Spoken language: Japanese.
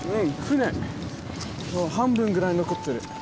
半分ぐらい残ってる。